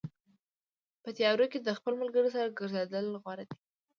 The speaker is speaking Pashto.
په تیارو کې د خپل ملګري سره ګرځېدل غوره دي.